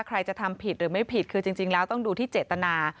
ใครจะทำผิดหรือไม่ผิดคือจริงแล้วต้องดูที่เจตนา